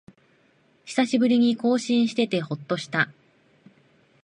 久しぶりに更新しててほっとした